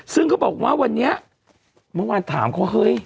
ซึ่งเขาบอกว่าวันนี้เมื่อวานถามเขาเฮ้ย